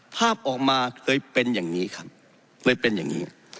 ภาพออกมาเคยเป็นอย่างนี้ครับเคยเป็นอย่างนี้